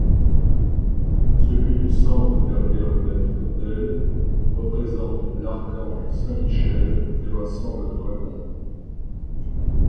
Celui du centre derrière le maître autel représente l'archange saint Michel terrassant le dragon.